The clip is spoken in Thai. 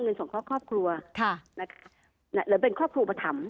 เงินส่งข้อครอบครัวหรือเป็นครอบครัวประถำ